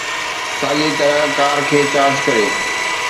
ساڳئي طرح ڪار کي چارج ڪريو